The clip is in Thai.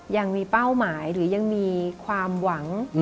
ยังมีเป้าหมายหรือยังมีความหวัง